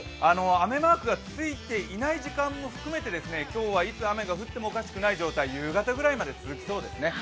雨マークがついていない時間も含めて今日はいつ雨が降ってもおかしくない状態が夕方ぐらいまで続きそうですね。